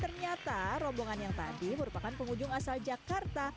ternyata rombongan yang tadi merupakan pengunjung asal jakarta